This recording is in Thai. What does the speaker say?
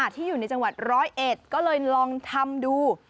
ที่อยู่ในจังหวัดร้อยเอ็ดก็เลยลองทำดู